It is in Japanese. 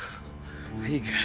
いいか？